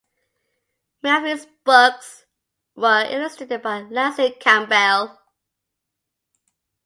Many of his books were illustrated by Lansing Campbell.